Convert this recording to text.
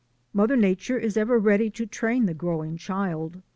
Mother Nature is ever ready to train the growing child.